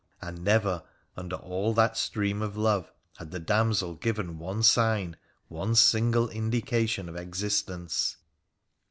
And never under all that stream of love had the damsel given one sign, one single indication of existence.